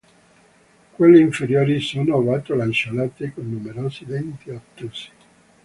Quelle inferiori sono ovato-lanceolate con numerosi denti ottusi.